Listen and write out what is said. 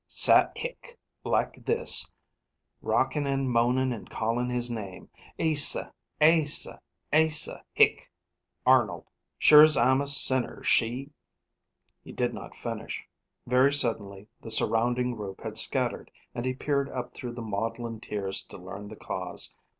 "Sat (hic) like this; rockin' an' moanin' n' callin' his name: Asa Asa Asa (hic) Arnold 'shure 's I'm a sinner she " He did not finish. Very suddenly the surrounding group had scattered, and he peered up through maudlin tears to learn the cause.